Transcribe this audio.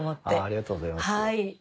ありがとうございます。